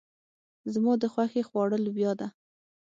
زما د خوښې خواړه لوبيا ده.